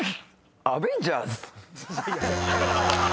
「アベンジャーズ」